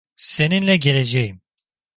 Seninle geleceğim.